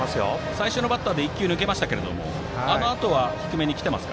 最初のバッターに１球抜けましたがあのあとは低めに来てます。